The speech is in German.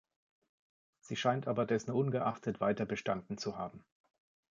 Sie scheint aber dessen ungeachtet weiterbestanden zu haben.